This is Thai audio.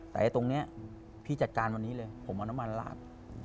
แต่ตรงนี้พี่จัดการวันนี้เลยผมเอาน้ำมันลาด